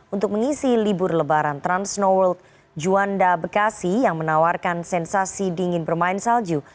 untuk mengisi libur lebaran transnoworld juanda bekasi yang menawarkan sensasi dingin bermain salju